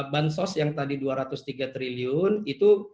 bansos yang tadi dua ratus tiga triliun itu